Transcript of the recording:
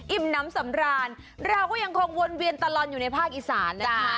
น้ำสำราญเราก็ยังคงวนเวียนตลอดอยู่ในภาคอีสานนะคะ